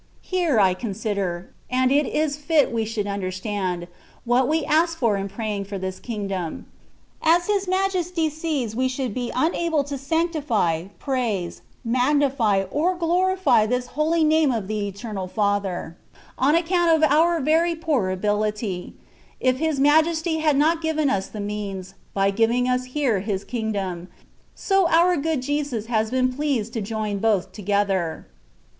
Here I consider, and it is fit we should imderstand, what we ask for in praying for this " Kingdom.^' As His Majesty sees we should be unable to sanctify, praise, magnify, or glorify this holy name of the Eternal Father, on account of our very poor ability, if His Majesty had not given us the means, by giving us here His Kingdom ; so our good Jesus has been pleased to join both together.